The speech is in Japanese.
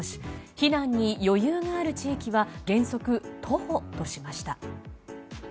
避難に余裕がある地域は原則徒歩としました。